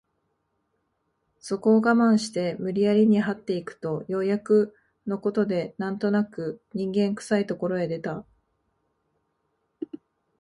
そこを我慢して無理やりに這って行くとようやくの事で何となく人間臭い所へ出た